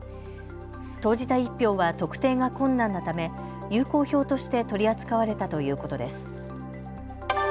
投じた１票は特定が困難なため有効票として取り扱われたということです。